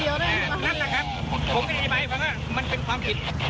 นั่นแหละครับผมกับไอ้ไบร์คือว่ามันเป็นความผิด